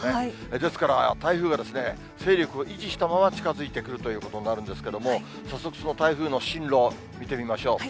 ですから、台風が勢力を維持したまま近づいてくるということになるんですけれども、早速その台風の進路を見てみましょう。